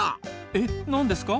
え何ですか？